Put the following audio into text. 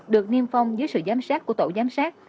được niêm phong dưới sự giám sát của tổ giám sát